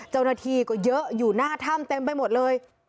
เจ้าหน้าที่ก็เยอะอยู่หน้าถ้ำเต็มไปหมดเลย